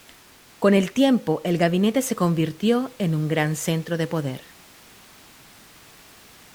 Con el tiempo el gabinete se convirtió en un gran centro de poder.